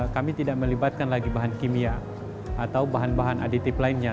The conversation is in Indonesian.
kami tidak melibatkan lagi bahan kimia atau bahan bahan aditif lainnya